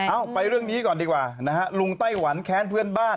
เอาไปเรื่องนี้ก่อนดีกว่านะฮะลุงไต้หวันแค้นเพื่อนบ้าน